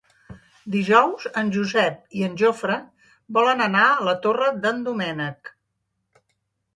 Dijous en Josep i en Jofre volen anar a la Torre d'en Doménec.